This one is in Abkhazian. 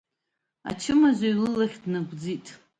Ачымазаҩ лылахь днагәӡит.